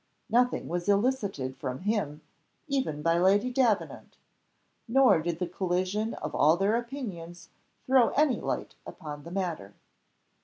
Nothing was elicited from him, even by Lady Davenant; nor did the collision of all their opinions throw any light upon the matter.